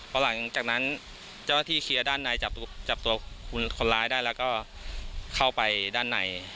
พอหลังจากนั้นเจ้าหน้าที่เคลียร์ด้านในจับตัวคนร้ายได้แล้วก็เข้าไปด้านใน